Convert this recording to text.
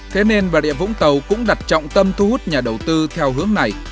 thế nên bà địa vũng tàu cũng đặt trọng tâm thu hút nhà đầu tư theo hướng này